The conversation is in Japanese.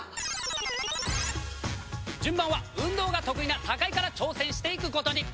順番は運動が得意な高井から挑戦していくことに。